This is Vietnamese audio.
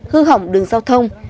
hư hỏng đường giao thông